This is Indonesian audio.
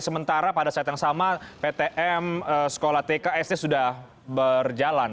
sementara pada saat yang sama ptm sekolah tk sd sudah berjalan